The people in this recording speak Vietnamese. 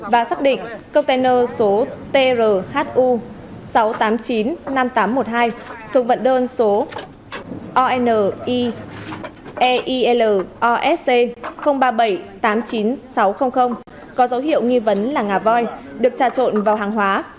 và xác định container số trhu sáu triệu tám trăm chín mươi năm nghìn tám trăm một mươi hai thuộc vận đơn số onielosc ba triệu bảy trăm tám mươi chín nghìn sáu trăm linh có dấu hiệu nghi vấn là ngả voi được trà trộn vào hàng hóa